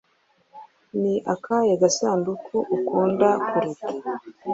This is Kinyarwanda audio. Ni akahe gasanduku ukunda kuruta?